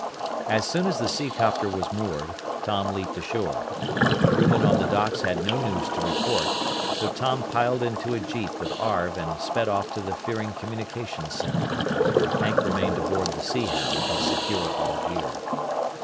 As soon as the seacopter was moored, Tom leaped ashore. The crewmen on the docks had no news to report, so Tom piled into a jeep with Arv and sped off to the Fearing communications center. Hank remained aboard the Sea Hound to secure all gear.